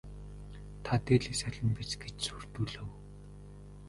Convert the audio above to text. Та дээлээ солино биз гэж сүрдүүлэв.